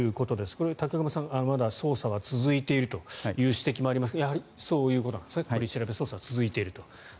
これ、武隈さんまだ捜査は続いているという指摘もありますがそういうことなんですね取り調べ、捜査は続いていると。